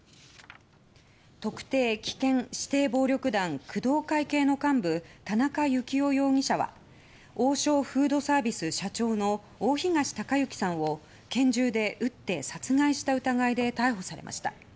特定危険指定暴力団工藤会系の幹部田中幸雄容疑者は王将フードサービス社長の大東隆行さんを拳銃で撃って殺害した疑いで逮捕されました。